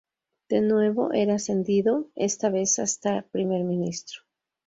De nuevo era ascendido, esta vez hasta primer ministro.